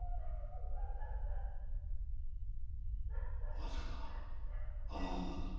まさかあの女が？